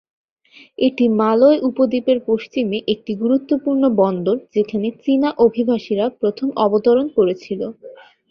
এটি মালয় উপদ্বীপের পশ্চিমে একটি গুরুত্বপূর্ণ বন্দর যেখানে চীনা অভিবাসীরা প্রথম অবতরণ করেছিল।